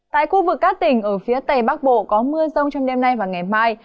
tại khu vực các tỉnh ở phía tây bắc bộ có mưa rông trong đêm nay và ngày mai